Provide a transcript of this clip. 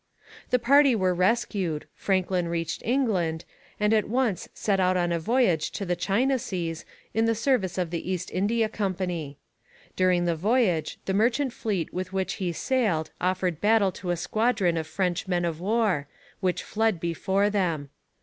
The party were rescued, Franklin reached England, and at once set out on a voyage to the China seas in the service of the East India Company. During the voyage the merchant fleet with which he sailed offered battle to a squadron of French men of war, which fled before them.